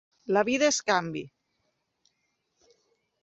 La vida és canvi.